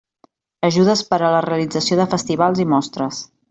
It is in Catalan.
Ajudes per a la realització de festivals i mostres.